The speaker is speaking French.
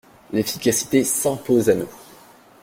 L’efficacité s’impose à nous.